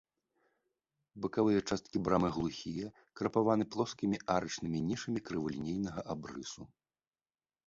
Бакавыя часткі брамы глухія, крапаваны плоскімі арачнымі нішамі крывалінейнага абрысу.